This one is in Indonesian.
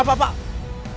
pak pak pak